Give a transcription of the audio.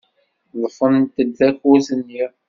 Ḍḍfent-d takurt-nni.